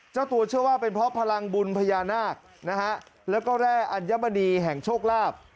เจ้าตัวเชื่อว่าเป็นเพราะพลังบุญพญานาคนะฮะแล้วก็แร่อัญมณีแห่งโชคลาภ